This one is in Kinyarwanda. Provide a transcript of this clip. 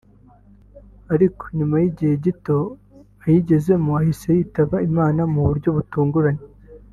ariko nyuma y’igihe gito ayigezemo ahise yitaba Imana mu buryo butunguranye